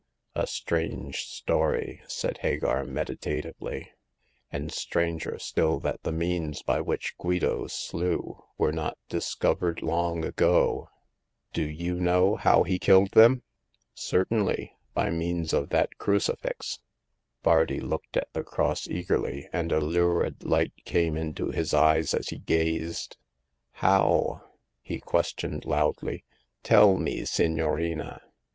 A strange story," said Hagar, meditatively, "and stranger still that the means by which Guido slew were not discovered long ago." " Do you know how he killed them ?"" Certainly. By means of that crucifix." Bardi looked at the cross eagerly, and a lurid light came into his eyes as he gazed. " How ?" he questioned, loudly. " Tell me, signorina."